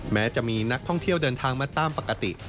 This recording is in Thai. แม้จะมีนักท่องเที่ยวเดินทางมาตามปกติ